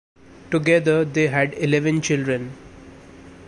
Together they had eleven children.